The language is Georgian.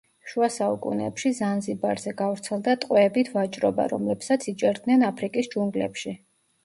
შუა საუკუნეებში ზანზიბარზე გავრცელდა ტყვეებით ვაჭრობა, რომლებსაც იჭერდნენ აფრიკის ჯუნგლებში.